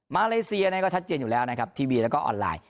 เลเซียก็ชัดเจนอยู่แล้วนะครับทีวีแล้วก็ออนไลน์